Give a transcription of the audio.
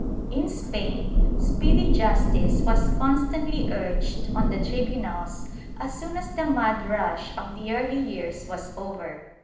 In Spain, speedy justice was constantly urged on the tribunals as soon as the mad rush of the early years was over.